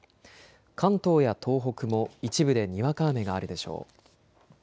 関東や東北も一部でにわか雨があるでしょう。